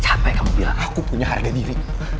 capek kamu bilang aku punya harga dirimu